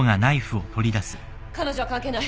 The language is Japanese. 彼女は関係ない。